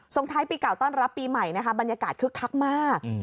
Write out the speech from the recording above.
ท้ายปีเก่าต้อนรับปีใหม่นะคะบรรยากาศคึกคักมาก